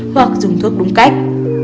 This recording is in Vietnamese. hoặc dùng thuốc đúng cách